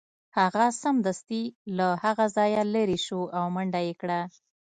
هغه سمدستي له هغه ځایه لیرې شو او منډه یې کړه